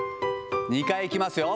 ２回いきますよ。